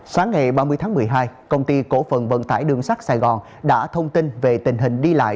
sáng ngày ba mươi tháng một mươi hai công ty cổ phận vận tải đường sắt sài gòn đã thông tin về tình hình đi lại